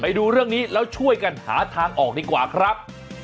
ดูเรื่องนี้แล้วช่วยกันหาทางออกดีกว่าครับ